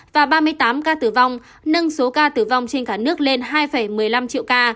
và ba mươi tám ca tử vong nâng số ca tử vong trên cả nước lên hai một mươi năm triệu ca